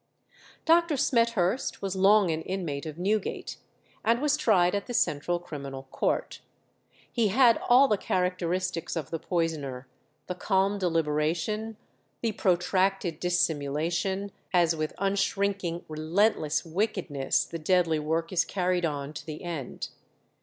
Dr. Smethurst was long an inmate of Newgate, and was tried at the Central Criminal Court. He had all the characteristics of the poisoner the calm deliberation, the protracted dissimulation, as with unshrinking, relentless wickedness the deadly work is carried on to the end.